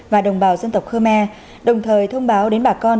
và đồng bào dân tộc khơ me đồng thời thông báo đến bà con